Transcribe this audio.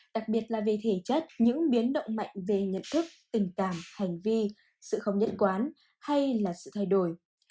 đặc biệt là về thể chất những biến động mạnh về nhận thức tình cảm hành vi sự không nhất quán hay là sự thay đổi